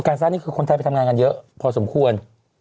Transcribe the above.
สร้างนี่คือคนไทยไปทำงานกันเยอะพอสมควร